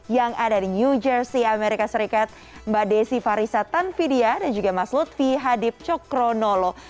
yang ada di new jersey amerika serikat mbak desi farisa tanfidia dan juga mas lutfi hadib cokronolo